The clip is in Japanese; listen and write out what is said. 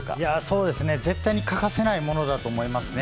そうですね、絶対に欠かせないものだと思いますね。